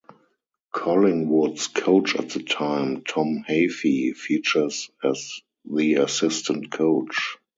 Collingwood's coach at the time, Tom Hafey features as the assistant coach.